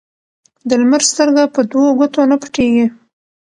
ـ د لمر سترګه په دو ګوتو نه پټيږي.